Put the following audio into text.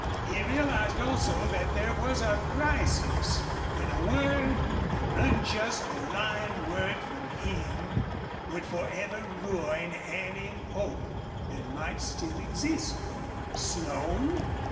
He realized also that here was a crisis when a word an unjust or lying word from him would forever ruin any hope that might still exist for Slone.